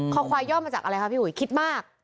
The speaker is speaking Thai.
คอควายย่อมาจากอะไรคะพี่อุ๋ยคิดมาก